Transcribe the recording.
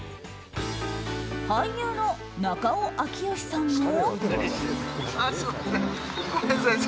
俳優の中尾明慶さんも。